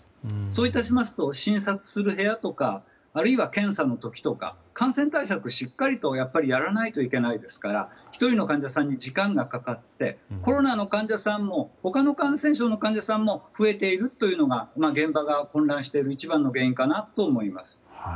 そうしますと、診察する部屋とかあるいは検査の時とか感染対策をしっかりとやらないといけないですから１人の患者さんに時間がかかってコロナの患者さんも他の感染症の患者さんも増えているというのが現場が混乱している一番の原因かなと思います。